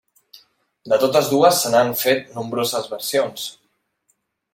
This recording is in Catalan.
De totes dues se n'han fet nombroses versions.